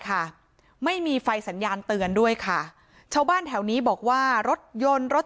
ค่ะไม่มีไฟสัญญาณเตือนด้วยค่ะชาวบ้านแถวนี้บอกว่ารถยนต์รถ